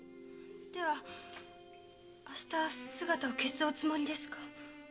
では明日姿を消すおつもりですか？